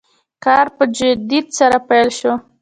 کار په جدیت سره پیل شو.